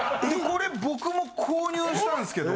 これ僕も購入したんですけど。